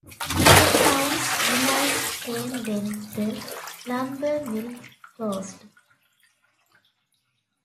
The town's demise came when the lumber mill closed.